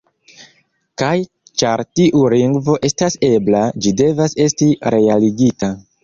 Kaj ĉar tiu lingvo estas ebla, ĝi devas esti realigita.